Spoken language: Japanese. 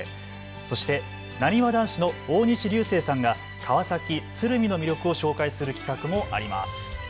そしてなにわ男子の大西流星さんが川崎の魅力を紹介する企画もあります。